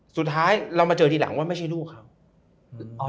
สุดท้ายเรามาเจอทีหลังว่าไม่ใช่ลูกเขา